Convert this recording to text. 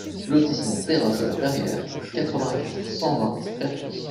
Lotissement Terrasses de la Peyriere, quatre-vingt-quatre, cent vingt Pertuis